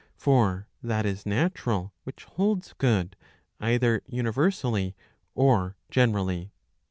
For that is natural which holds good^ either universally or generally